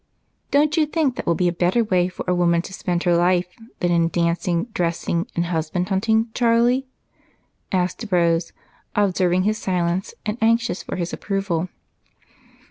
"Don't you think that will be a better way for a woman to spend her life than in dancing, dressing, and husband hunting, Charlie?" asked Rose, observing his silence and anxious for his approval.